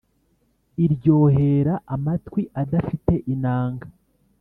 iryohera amatwi adafite inanga